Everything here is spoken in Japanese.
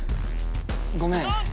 ごめん